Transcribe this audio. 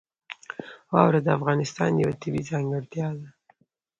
واوره د افغانستان یوه طبیعي ځانګړتیا ده.